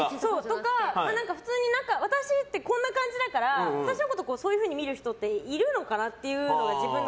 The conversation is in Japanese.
普通に私ってこんな感じだから私のことをそういうふうに見る人がいるのかなっていうのが。